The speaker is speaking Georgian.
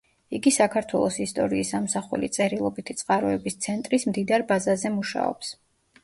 იგი საქართველოს ისტორიის ამსახველი წერილობითი წყაროების ცენტრის მდიდარ ბაზაზე მუშაობს.